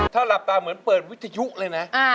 ถ้าหลับตาเหมือนเปิดวิทยุเลยนะ